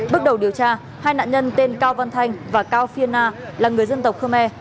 bước đầu điều tra hai nạn nhân tên cao văn thanh và cao phiên na là người dân tộc khơ me